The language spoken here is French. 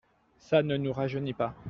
Ça ne nous rajeunit pas…